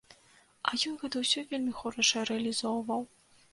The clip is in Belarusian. А ён гэта ўсё вельмі хораша рэалізоўваў.